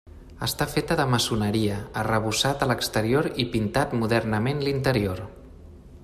Està feta de maçoneria, arrebossat a l'exterior i pintat modernament l'interior.